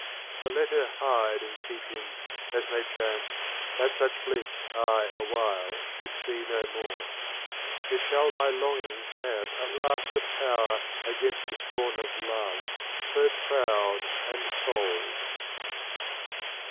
But let her hide and keep him, as may chance, ^ That such bliss I awhile should see no more; Yet shall my longings have at last a power Against the scorn of Love so proud and cold.